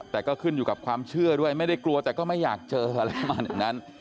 แต่ก็ขึ้นอยู่กับความเชื่อด้วยไม่ได้กลัวแต่ก็ไม่อยากเจออะไรประมาณอย่างนั้น